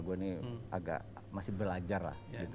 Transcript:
gue ini agak masih belajar lah gitu